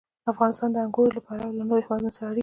افغانستان د انګورو له پلوه له نورو هېوادونو سره اړیکې لري.